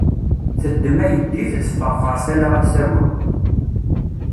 Teddem ayeddid, teffeɣ ɣer tala ad d-tagem.